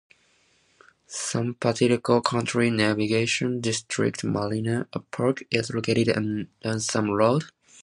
San Patricio County Navigation District Marina, a park, is located on Ransom Road.